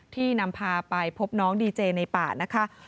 ที่นำพาไปพบน้องดีเจในป่านะคะ